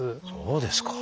そうですか。